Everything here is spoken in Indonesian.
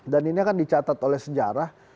dan ini akan dicatat oleh sejarah